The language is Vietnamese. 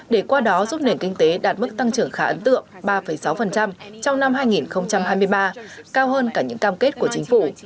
để qua đó giúp nền kinh tế đạt mức tăng trưởng khá ấn tượng ba sáu trong năm hai nghìn hai mươi ba cao hơn cả những cam kết của chính phủ